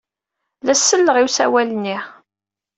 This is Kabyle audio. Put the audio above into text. La as-selleɣ i usawal-nni.